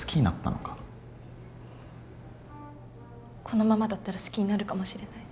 このままだったら好きになるかもしれない。